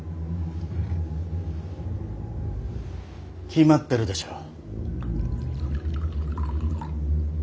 決まってるでしょう。